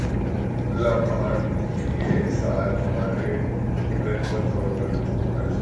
الله پاک یہ سال ہمارے لیئے رحمتوں اور برکتوں کا باعث بنائے